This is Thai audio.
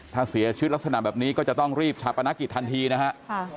ถ้าเสียชีวิตลักษณะแบบนี้ก็จะต้องรีบชาปนกิจทันทีนะฮะ